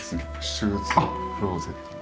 シューズクローゼットに。